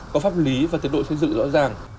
có pháp lý và tiến độ xây dựng rõ ràng